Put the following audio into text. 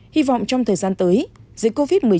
hy vọng trong thời gian tới dịch covid một mươi chín